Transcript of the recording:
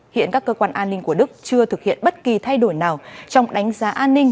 hiện các cơ quan an ninh của đức chưa thực hiện bất kỳ thay đổi nào trong đánh giá an ninh